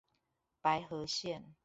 白河線